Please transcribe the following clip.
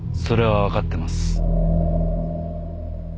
それはわかってます。